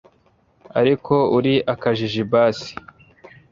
ariko uri akajiji basi